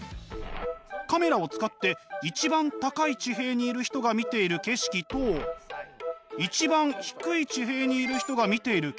カメラを使って一番高い地平にいる人が見ている景色と一番低い地平にいる人が見ている景色